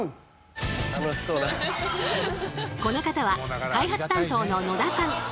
この方は開発担当の野田さん。